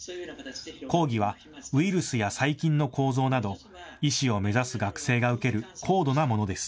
講義はウイルスや細菌の構造など医師を目指す学生が受ける高度なものです。